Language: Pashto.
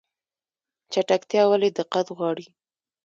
چټکتیا ولې دقت غواړي؟